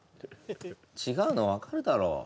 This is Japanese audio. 違うの分かるだろ